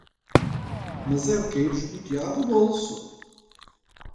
Mas é de cair os butiá do bolso!